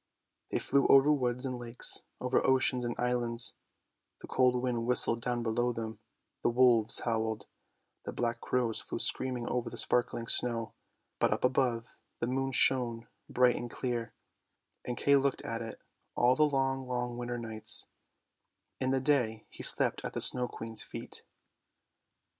They flew over woods and lakes, over oceans and islands, the cold wind whistled down below them, the wolves howled, the black crows flew screaming over the sparkling snow, but up above, the moon shone bright and clear — and Kay looked at it all the long, long winter nights; in the day he slept at the Snow Queen's feet.